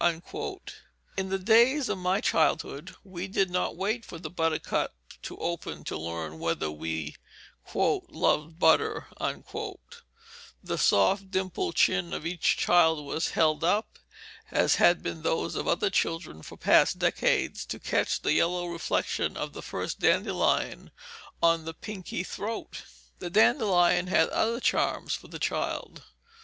In the days of my childhood we did not wait for the buttercup to open to learn whether we "loved butter"; the soft dimpled chin of each child was held up, as had been those of other children for past decades, to catch the yellow reflection of the first dandelion on the pinky throat. The dandelion had other charms for the child.